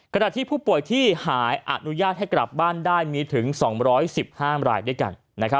ขณะที่ผู้ป่วยที่หายอนุญาตให้กลับบ้านได้มีถึง๒๑๕รายด้วยกัน